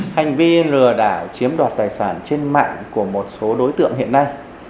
hành vi lừa đảo chiếm đoạt tài sản trên mạng của một số đối tượng hiện nay